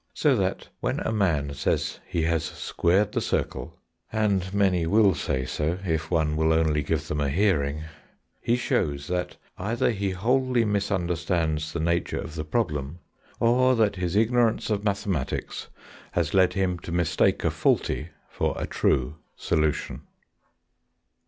So that, when a man says he has squared the circle (and many will say so, if one will only give them a hearing), he shows that either he wholly misunderstands the nature of the problem, or that his ignorance of mathematics has led him to mistake a faulty for a true solution.